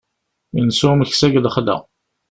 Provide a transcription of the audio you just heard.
Yensa umeksa deg lexla.